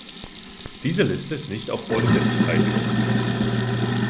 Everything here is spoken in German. Diese Liste ist nicht auf Vollständigkeit überprüft.